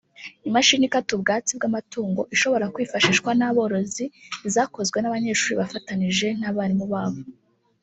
imashini ikata ubwatsi bw’amatungo ishobora kwifashishwa n’aborozi zakozwe n’abanyeshuri bafatanije n’abarimu babo